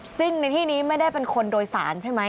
ซึ่งในที่นี้ไม่ได้เป็นคนโดยสารใช่ไหม